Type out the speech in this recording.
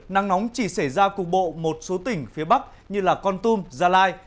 nắng nóng chỉ xảy ra cục bộ một số tỉnh phía bắc như con tum gia lai